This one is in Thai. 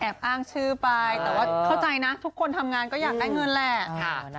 อ้างชื่อไปแต่ว่าเข้าใจนะทุกคนทำงานก็อยากได้เงินแหละ